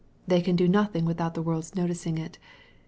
They can do nothing without the world's noticing it.